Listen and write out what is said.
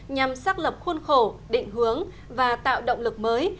nhằm xác lập khuôn khổ định hướng và tạo động lực mới